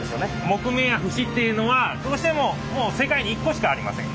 木目や節っていうのはどうしても世界に１個しかありません。